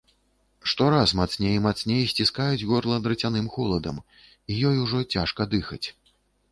Штораз мацней і мацней сціскаюць горла драцяным холадам, і ёй ужо цяжка дыхаць.